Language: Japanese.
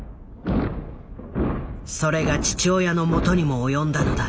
それが父親のもとにも及んだのだ。